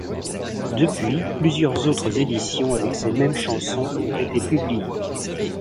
Depuis, plusieurs autres éditions avec ces mêmes chansons ont été publiées.